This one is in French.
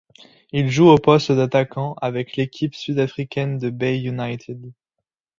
Il joue au poste d'attaquant avec l'équipe sud-africaine de Bay United.